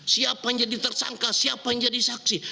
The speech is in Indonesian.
siapa yang jadi tersangka siapa yang jadi saksi